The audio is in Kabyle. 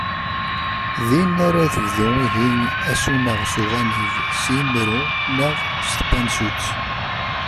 Din ara tebdu ihi asuneɣ s uɣanib, s yimru neɣ s tpansut.